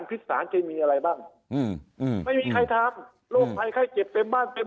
พิษสารเคมีอะไรบ้างอืมไม่มีใครทำโรคภัยไข้เจ็บเต็มบ้านเต็ม